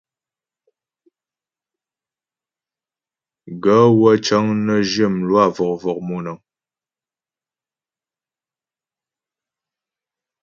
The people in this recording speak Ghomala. Gaə̂ wə́ cəŋ nə zhyə mlwâ vɔ̀k-vɔ̀k monaə́ŋ.